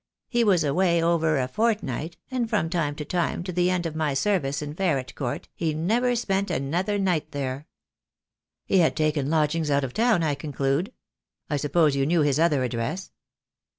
He was away over a fortnight, and from that time to the end of my service in Ferret Court, he never spent another night there." "He had taken lodgings out of town, I conclude? I suppose you knew his other address?"